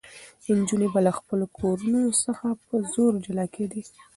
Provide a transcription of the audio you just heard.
نجونې به له خپلو کورنیو څخه په زور جلا کېدې.